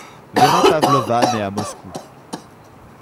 Vera Pavlova naît à Moscou.